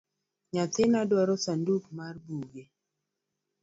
Nyathina dwaro sanduk mar buge